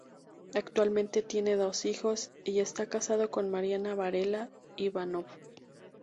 Actualmente tiene dos hijos y está casado con Mariana Varela Ivanov.